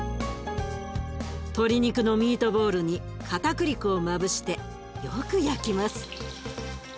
鶏肉のミートボールにかたくり粉をまぶしてよく焼きます。